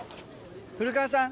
古川さん。